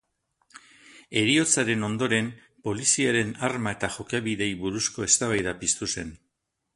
Heriotzaren ondoren, poliziaren arma eta jokabideei buruzko eztabaida piztu zuen.